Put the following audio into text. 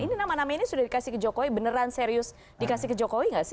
ini nama nama ini sudah dikasih ke jokowi beneran serius dikasih ke jokowi nggak sih